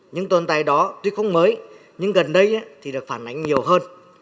những tồn tại đó tuy không mới nhưng gần đây thì được phản ánh nhiều hơn